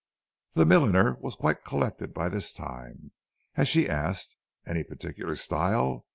The milliner was quite collected by this time, as she asked: 'Any particular style?